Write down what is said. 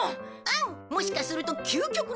もしかすると究極の食材かも。